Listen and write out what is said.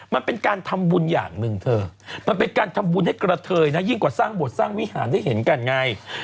มันเป็นการทำบุญอย่างหนึ่งเธอมันเป็นการทำบุญให้กระเทยนะยิ่งกว่าสร้างบทสร้างวิหารได้เห็นกันไง